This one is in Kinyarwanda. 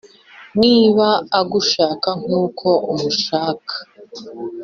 Niba agushaka nkuko umushaka